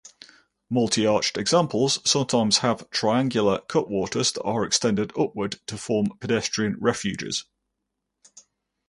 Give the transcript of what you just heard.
Multi-arched examples sometimes have triangular cutwaters that are extended upwards to form pedestrian refuges.